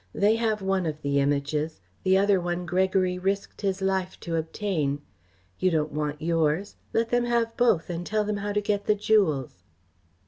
They have one of the Images. The other one Gregory risked his life to obtain. You don't want yours. Let them have both and tell them how to get the jewels."